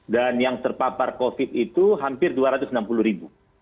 dan yang terpapar covid itu hampir dua ratus enam puluh ribu